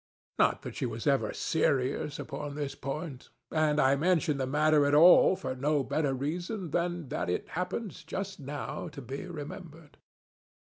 Not that she was ever serious upon this pointŌĆöand I mention the matter at all for no better reason than that it happens, just now, to be remembered.